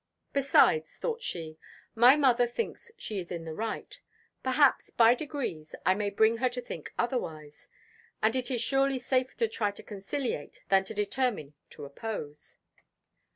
"Besides," thought she, "my mother thinks she is in the right. Perhaps, by degrees, I may bring her to think otherwise; and it is surely safer to try to conciliate than to determine to oppose."